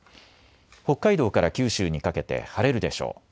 北海道から九州にかけて晴れるでしょう。